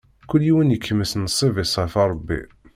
Kul yiwen ikmes nnṣib-is ɣeṛ Ṛebbi.